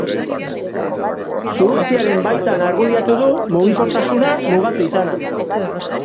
Zuhurtziaren baitan argudiatu du mugikortasuna mugatu izana.